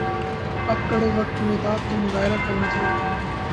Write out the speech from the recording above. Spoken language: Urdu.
اس کڑے وقت میں اتحاد کا مظاہرہ کرنا چاہئے